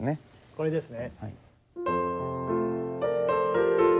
これですね。